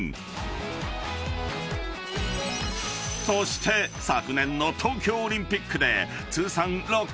［そして昨年の東京オリンピックで］